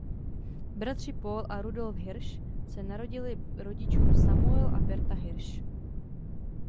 Bratři Paul a Rudolf Hirsch se narodili rodičům Samuel a Berta Hirsch.